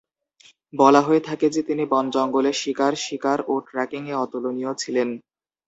বলা হয়ে থাকে যে, তিনি বনজঙ্গলে শিকার, শিকার ও ট্র্যাকিং-এ অতুলনীয় ছিলেন।